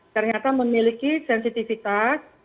ternyata memiliki sensitivitas